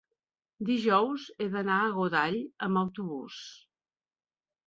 dijous he d'anar a Godall amb autobús.